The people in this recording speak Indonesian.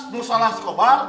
duh salah si kobar